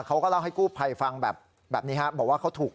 เขาก็เล่าให้กู้ไพฟังแบบนี้ครับ